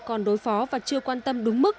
còn đối phó và chưa quan tâm đúng mức